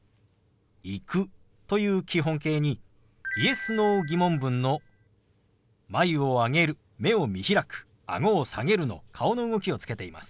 「行く」という基本形にＹｅｓ−Ｎｏ疑問文の眉を上げる目を見開くあごを下げるの顔の動きをつけています。